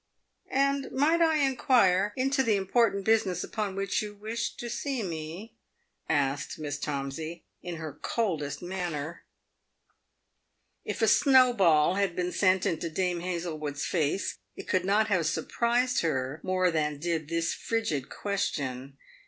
" And might I inquire into the important business upon which you wished to see me ?" asked Miss Tomsey, in her coldest manner. If a snowball had been sent into Dame Hazlewood's face, it could not have surprised her more than did this frigid question.